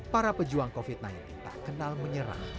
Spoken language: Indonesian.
para pejuang covid sembilan belas tak kenal menyerah